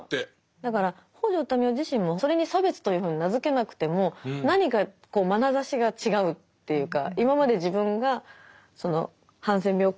だから北條民雄自身もそれに差別というふうに名付けなくても何か眼差しが違うっていうか